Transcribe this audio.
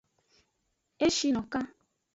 E shi no kan.